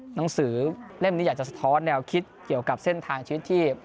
หนังสือเล่มนี้อยากจะสะท้อนแนวคิดเกี่ยวกับเส้นทางชีวิตที่